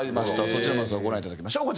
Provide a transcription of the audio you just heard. そちらまずはご覧いただきましょう。